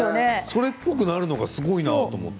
それっぽくなるのがすごいなと思って。